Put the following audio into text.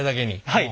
はい。